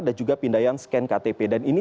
dan juga pindahkan scan ktp dan ini